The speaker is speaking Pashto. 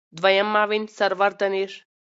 دویم معاون سرور دانش